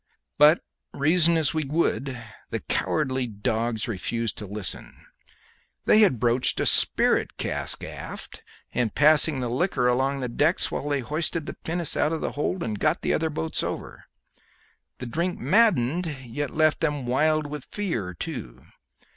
But reason as we would the cowardly dogs refused to listen. They had broached a spirit cask aft, and passed the liquor along the decks whilst they hoisted the pinnace out of the hold and got the other boats over. The drink maddened, yet left them wild with fear too.